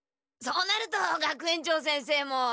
そうなると学園長先生も！